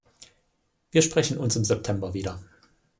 Wir sprechen uns im September wieder.